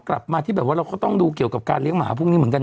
กลับมาที่แบบว่าเราก็ต้องดูเกี่ยวกับการเลี้ยงหมาพวกนี้เหมือนกัน